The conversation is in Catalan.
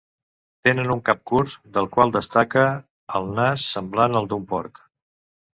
Tenen un cap curt, del qual destaca el nas, semblant al d'un porc.